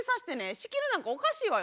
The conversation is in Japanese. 仕切るなんかおかしいわよ。